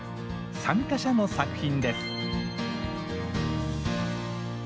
参加者の作品です。